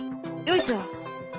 よいしょ。